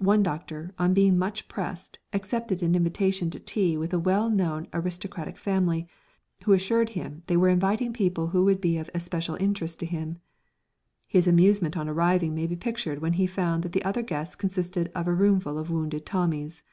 One doctor, on being much pressed, accepted an invitation to tea with a well known aristocratic family, who assured him they were inviting people who would be of especial interest to him. His amusement on arriving may be pictured when he found that the other guests consisted of a roomful of wounded Tommies.